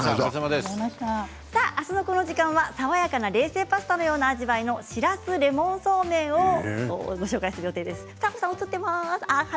あすのこの時間は爽やかな冷製パスタのような味わいのしらすレモンそうめんをご紹介する予定です。